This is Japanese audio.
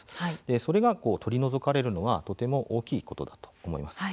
それが取り除かれるのは、とても大きいことだと思います。